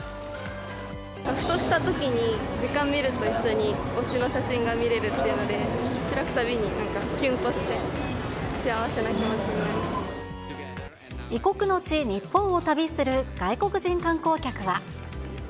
ふとしたときに時間見るのと一緒に推しの写真が見れるっていうので、開くたびになんか、異国の地、日本を旅する外国人観光客は。